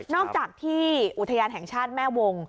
อกจากที่อุทยานแห่งชาติแม่วง